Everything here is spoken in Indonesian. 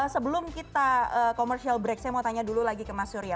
sebelum kita commercial break saya mau tanya dulu lagi ke mas surya